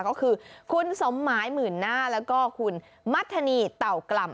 ก็คือคุณสมหมายหมื่นหน้าแล้วก็คุณมัธนีเต่ากล่ำ